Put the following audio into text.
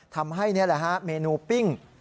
ทำให้เมนูปิ้ง